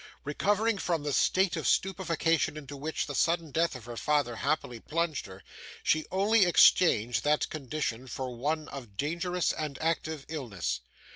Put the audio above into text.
Recovering from the state of stupefaction into which the sudden death of her father happily plunged her, she only exchanged that condition for one of dangerous and active illness.